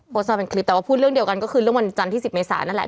มาเป็นคลิปแต่ว่าพูดเรื่องเดียวกันก็คือเรื่องวันจันทร์ที่๑๐เมษานั่นแหละ